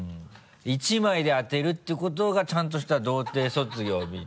１枚で当てるっていうことがちゃんとした童貞卒業に。